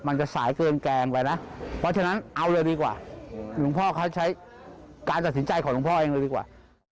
จะสายเกินแกงไปนะเพราะฉะนั้นเอาเลยดีกว่าหลวงพ่อเขาใช้การตัดสินใจของหลวงพ่อเองเลยดีกว่า